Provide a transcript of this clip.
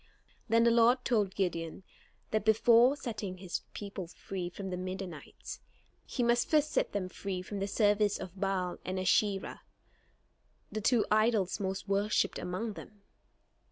Then the Lord told Gideon that before setting his people free from the Midianites, he must first set them free from the service of Baal and Asherah, the two idols most worshipped among them.